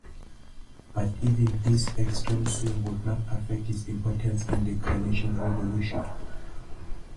But even his extreme swing would not affect his importance in the Carnation Revolution.